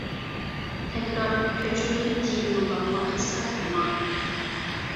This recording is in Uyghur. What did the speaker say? تەكرار، كۆچۈرۈلمە تېما يوللاپ ۋاقىت ئىسراپ قىلماڭ!